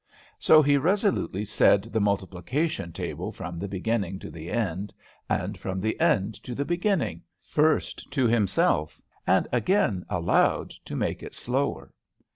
So he resolutely said the multiplication table from the beginning to the end, and from the end to the beginning, first to himself, and again aloud, to make it slower.